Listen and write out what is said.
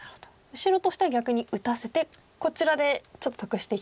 白としては逆に打たせてこちらでちょっと得していきたいと。